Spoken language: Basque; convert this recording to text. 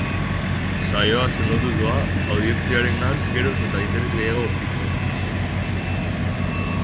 Saioa sendotuz doa, audientziarengan geroz eta interes gehiago piztuz.